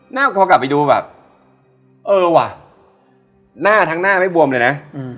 โทรกลับไปดูแบบเออว่ะหน้าทั้งหน้าไม่บวมเลยนะ